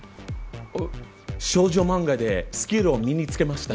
あ少女漫画でスキルを身につけました。